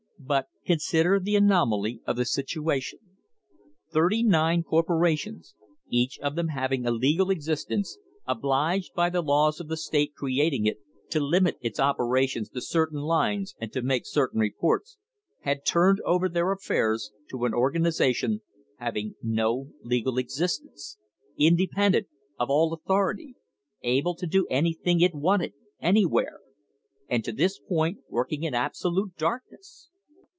But consider the anomaly of the situation. Thirty nine corporations, each of them having a legal exist ence, obliged by the laws of the state creating it to limit its operations to certain lines and to make certain reports, had turned over their affairs to an organisation having no legal existence, independent of all authority, able to do anything it wanted anywhere; and to this point working in absolute darkness.